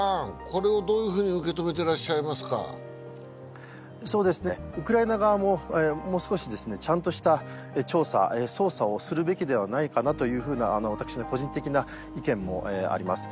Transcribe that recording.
これをどういうふうに受けとめてらっしゃいますかそうですねウクライナ側ももう少しですねちゃんとした調査捜査をするべきではないかなというふうな私の個人的な意見もあります